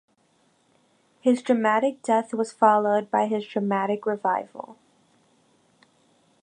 His dramatic death was followed by his dramatic revival.